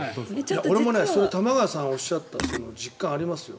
玉川さんがおっしゃった実感、ありますよ。